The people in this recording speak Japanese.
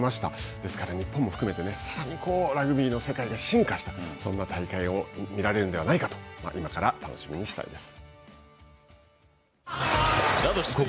ですから日本も含めて、さらにラグビーの世界が進化した、そんな大会を見られるのではないかと今から楽しみにしたいです。